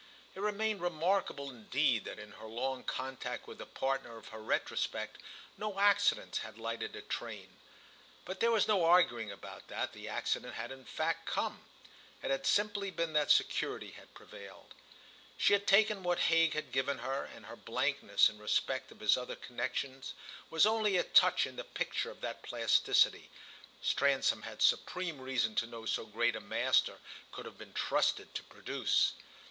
It remained remarkable indeed that in her long contact with the partner of her retrospect no accident had lighted a train; but there was no arguing about that; the accident had in fact come: it had simply been that security had prevailed. She had taken what Hague had given her, and her blankness in respect of his other connexions was only a touch in the picture of that plasticity Stransom had supreme reason to know so great a master could have been trusted to produce.